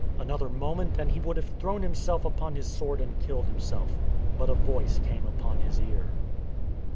Another moment and he would have thrown himself upon his sword and killed himself. But a voice came upon his ear.